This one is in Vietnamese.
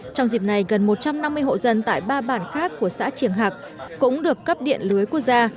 trong dịp này gần một trăm năm mươi hộ dân tại ba bản khác của xã triềng hạc cũng được cấp điện lưới quốc gia